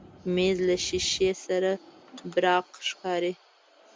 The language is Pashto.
مېز له شیشې سره براق ښکاري.